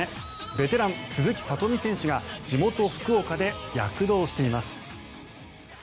ベテラン、鈴木聡美選手が地元・福岡で躍動しています。